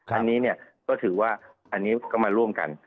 อันนี้เนี่ยก็ถือว่าอันนี้ก็มาร่วมกัน